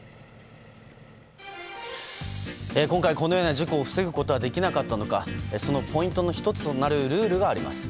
今回、このような事故を防ぐことはできなかったのかそのポイントの１つとなるルールがあります。